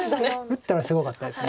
打ったらすごかったです。